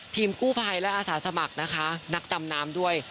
ทีมกู้ภัยและอาสาสมัครนะคะนักดำน้ำด้วย